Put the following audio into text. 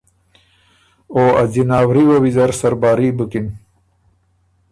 او ا ځِناوري وه ویزر سرباري بُکِن۔